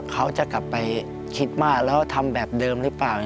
เขาจะกลับไปคิดมากแล้วทำแบบเดิมหรือเปล่า